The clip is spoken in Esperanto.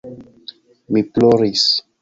Mi ploris.